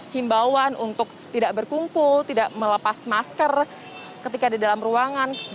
himbauan untuk tidak berkumpul tidak melepas masker ketika di dalam ruangan